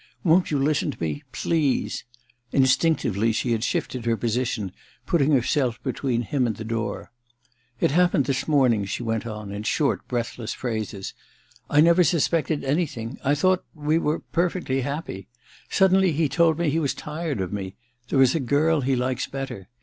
Won't you listen to me ? Please !' Instinctively she had shifted her position, putting herself between him and the door. * It happened this morning,' 230 THE RECKONING iii she went on in short breathless phrases. *I never suspected anything — ^I thought we were — ^perfectly happy. ... Suddenly he told me he was tired of me ... there is a girl he likes better.